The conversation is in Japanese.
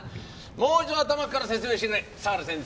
もう一度頭から説明してくれ相良先生。